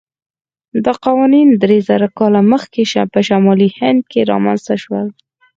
دا قوانین درېزره کاله مخکې په شمالي هند کې رامنځته شول.